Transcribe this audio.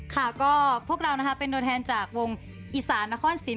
แค่พวกเราเป็นดนทานจากโรงอิสรนะครัวนศิลป์